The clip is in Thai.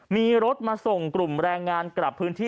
มีรถมาส่งกลุ่มแรงงานกลับพื้นที่